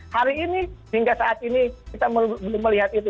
hari ini hingga saat ini kita belum melihat itu